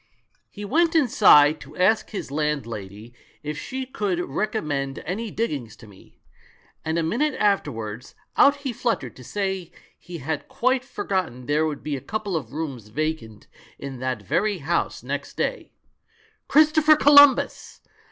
He went inside to ask his landlady if she could rec ommend any diggings to me ; and a minute after wards, out he fluttered to say he had quite for gotten there would be a couple of rooms vacant in that very house next day. Christopher Colum bus!